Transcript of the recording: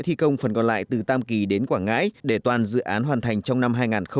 thi công phần còn lại từ tam kỳ đến quảng ngãi để toàn dự án hoàn thành trong năm hai nghìn hai mươi